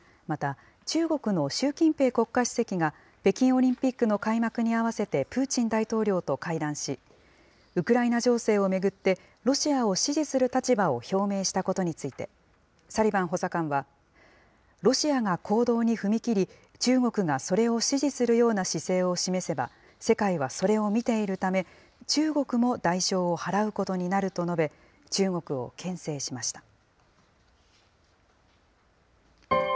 また、中国の習近平国家主席が北京オリンピックの開幕に合わせてプーチン大統領と会談し、ウクライナ情勢を巡って、ロシアを支持する立場を表明したことについて、サリバン補佐官は、ロシアが行動に踏み切り、中国がそれを支持するような姿勢を示せば、世界はそれを見ているため、中国も代償を払うことになると述べ、中国をけん制しました。